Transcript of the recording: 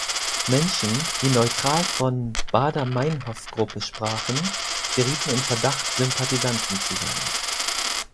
Menschen, die neutral von "Baader-Meinhof-Gruppe" sprachen, gerieten in Verdacht, Sympathisanten zu sein.